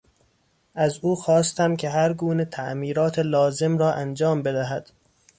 از او خواستم که هر گونه تعمیرات لازم را انجام بدهد.